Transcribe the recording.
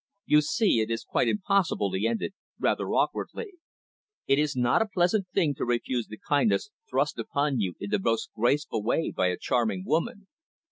"You see, it is quite impossible," he ended, rather awkwardly. It is not a pleasant thing to refuse the kindness thrust upon you in the most graceful way by a charming woman.